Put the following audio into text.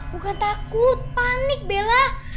bukan takut panik belah